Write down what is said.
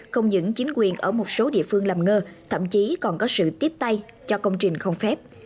không những chính quyền ở một số địa phương làm ngơ thậm chí còn có sự tiếp tay cho công trình không phép